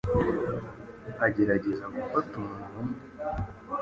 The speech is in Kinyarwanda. agerageza gufata umunwa umwe